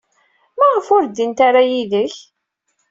Maɣef ur ddint ara yid-k?